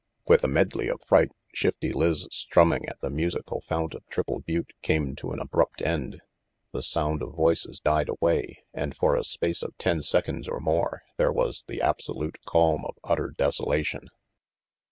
With a medley of fright, Shifty Lizz' strumming at the musical fount of Triple Butte came to an abrupt end. The sound of voices died away, and for a space of ten seconds or more there was the absolute calm of utter desolation.